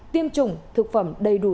tiêm chủng thực phẩm đầy đủ